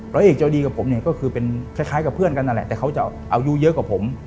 ร้อยเอกเจ้าดีกับผมเนี่ยก็คือเป็นคล้ายกับเพื่อนกันนั่นแหละแต่เขาจะอายุเยอะกว่าผม